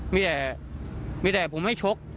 มีแผย์มีแผย์ผมไม่ชก